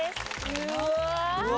うわ！